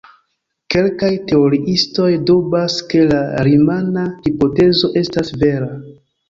Kelkaj teoriistoj dubas ke la rimana hipotezo estas vera.